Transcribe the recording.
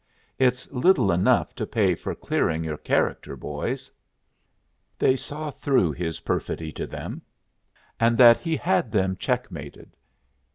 It's little enough to pay for clearing your character, boys." They saw through his perfidy to them, and that he had them checkmated.